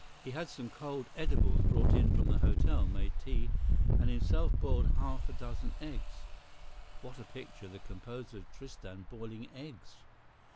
He had some cold edibles brought in from the hotel, made tea, and himself boiled half a dozen eggs. [What a picture! The composer of 'Tristan' boiling eggs!